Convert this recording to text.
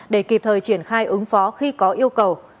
để kịp thời triển khai ứng phó khi có yêu cầu